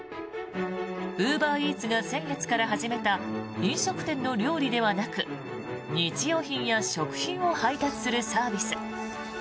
ウーバーイーツが先月から始めた飲食店の料理ではなく日用品や食品を配達するサービス。